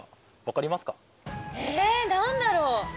ええっ何だろう？